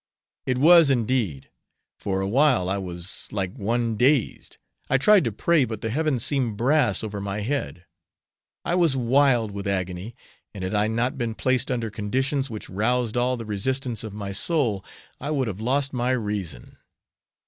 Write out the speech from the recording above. "It was indeed! For awhile I was like one dazed. I tried to pray, but the heavens seemed brass over my head. I was wild with agony, and had I not been placed under conditions which roused all the resistance of my soul, I would have lost my reason."